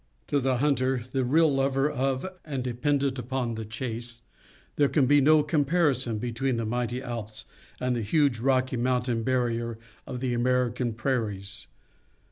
To the hunter, the real lover of and dependent upon the chase, there can be no comparison between the mighty Alps and the huge Rocky Mountain Barrier of the American Prairies.